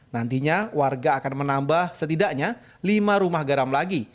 nantinya warga akan menambah setidaknya lima rumah garam lagi